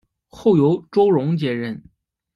后由周荣接任。